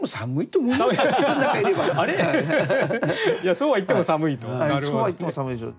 そうはいっても寒いですよ。